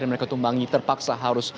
yang mereka tumbangi terpaksa harus